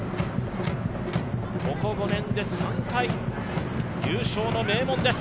ここ５年で３回、優勝の名門です。